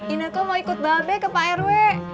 ineke mau ikut babeh ke prw